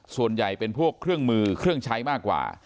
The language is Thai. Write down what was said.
ส่วนใหญ่เป็นพวกเครื่องมือเครื่องใช้มากกว่า